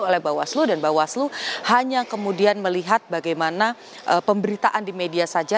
oleh bawah seluh dan bawah seluh hanya kemudian melihat bagaimana pemberitaan di media saja